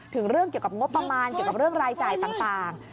ถึงเรื่องเกี่ยวกับงบประมาณเกี่ยวกับเรื่องรายจ่ายต่าง